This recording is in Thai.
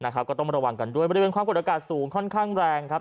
ก็ต้องระวังกันด้วยบริเวณความกดอากาศสูงค่อนข้างแรงครับ